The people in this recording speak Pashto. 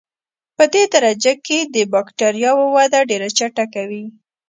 پدې درجه کې د بکټریاوو وده ډېره چټکه وي.